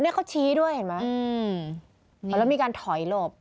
เขาชี้ด้วยเห็นไหมแล้วมีการถอยหลบ